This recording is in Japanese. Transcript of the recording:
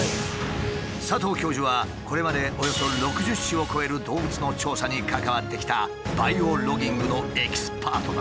佐藤教授はこれまでおよそ６０種を超える動物の調査に関わってきたバイオロギングのエキスパートだ。